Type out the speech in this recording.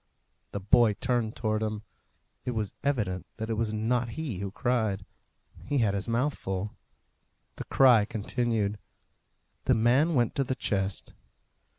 The boy turned towards him. It was evident that it was not he who cried. He had his mouth full. The cry continued. The man went to the chest.